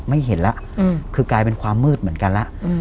ไม่เห็นแล้วคือกลายเป็นความมืดเหมือนกันแล้ว